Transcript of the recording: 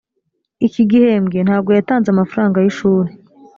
iki gihembwe ntago yatanze amafaranga y’ ishuri